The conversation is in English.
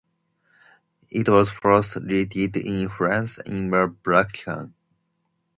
It was first released in France in a black can.